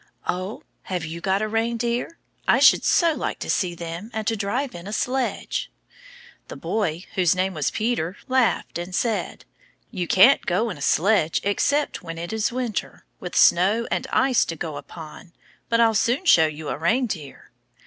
"Oh! have you got reindeer? I should so like to see them and to drive in a sledge!" The boy, whose name was Peder, laughed, and said, "You can't go in a sledge except when it is winter, with snow and ice to go upon, but I'll soon show you a reindeer."